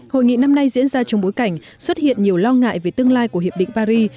hội nghị năm nay diễn ra trong bối cảnh xuất hiện nhiều lo ngại về tương lai của hiệp định paris